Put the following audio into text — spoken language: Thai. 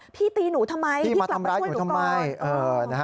ตีหนูทำไมพี่กลับมาช่วยหนูทำไม